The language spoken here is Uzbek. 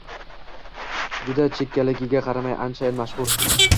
Juda chekkaligiga qaramay, anchayin mashhur